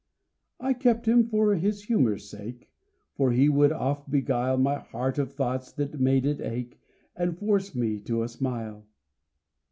I kept him for his humor's sake, For he would oft beguile My heart of thoughts that made it ache And force me to a smile.